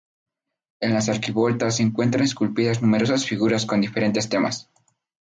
En las arquivoltas se encuentran esculpidas numerosas figuras con diferentes temas.